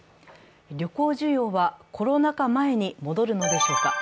旅行需要はコロナ禍前に戻るのでしょうか。